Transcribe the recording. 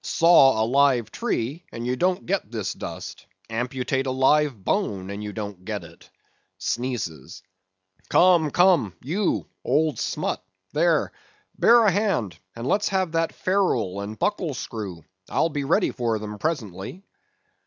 Saw a live tree, and you don't get this dust; amputate a live bone, and you don't get it. Come, come, you old Smut, there, bear a hand, and let's have that ferule and buckle screw; I'll be ready for them presently.